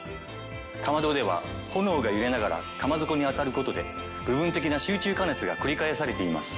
かまどでは炎が揺れながら釜底に当たることで部分的な集中加熱が繰り返されています。